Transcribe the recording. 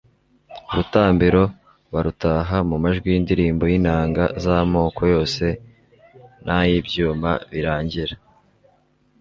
urutambiro barutaha mu majwi y'indirimbo, y'inanga z'amoko yose n'ay'ibyuma birangira